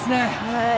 はい！